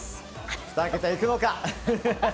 ２桁いくのか。